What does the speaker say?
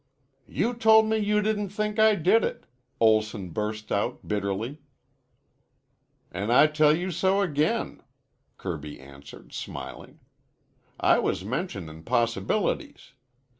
"You told me you didn't think I did it," Olson burst out bitterly. "An' I tell you so again," Kirby answered, smiling. "I was mentionin' possibilities.